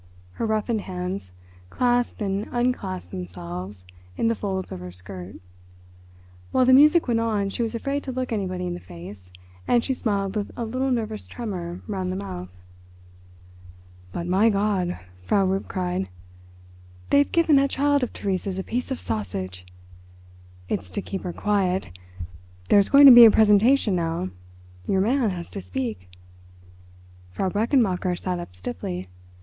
Her roughened hands clasped and unclasped themselves in the folds of her skirt. While the music went on she was afraid to look anybody in the face, and she smiled with a little nervous tremor round the mouth. "But, my God," Frau Rupp cried, "they've given that child of Theresa's a piece of sausage. It's to keep her quiet. There's going to be a presentation now—your man has to speak." Frau Brechenmacher sat up stiffly.